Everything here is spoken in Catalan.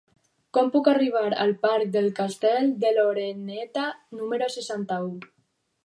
Com puc arribar al parc del Castell de l'Oreneta número seixanta-u?